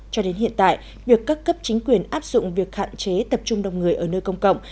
cho đến hiện tại việc các cấp chính quyền áp dụng việc hạn chế tập trung đông người ở nơi công cộng